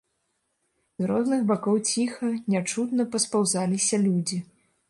З розных бакоў ціха, нячутна паспаўзаліся людзі.